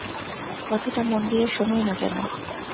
কথাটা মন দিয়া শোনোই না কেন?